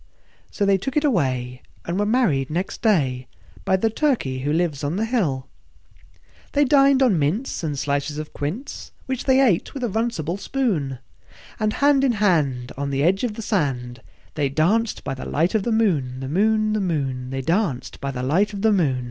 So they took it away, and were married next day By the Turkey who lives on the hill. They dined on mince and slices of quince, Which they ate with a runcible spoon; And hand in hand, on the edge of the sand, They danced by the light of the moon, The moon, The moon, They danced by the light of the mo